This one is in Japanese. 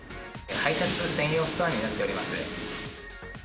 配達専用ストアになっております。